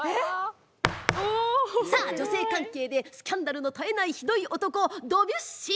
さあ女性関係でスキャンダルの絶えないひどい男ドビュッシー。